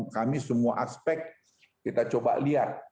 kami semua aspek kita coba lihat